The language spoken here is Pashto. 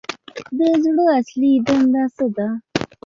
د زړه اصلي دنده څه ده